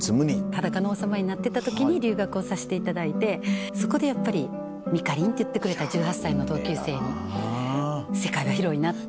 裸の王様になってた時に留学をさせていただいてそこでやっぱりミカりんって言ってくれた１８歳の同級生に世界は広いなって。